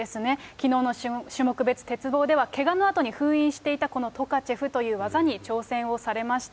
きのうの種目別鉄棒では、けがのあとに封印していた、このトカチェフという技に挑戦をされました。